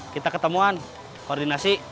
kita ketemuan koordinasi